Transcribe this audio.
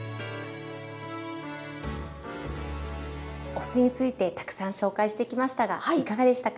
お酢についてたくさん紹介してきましたがいかがでしたか。